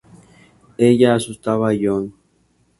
Ella asustaba a John.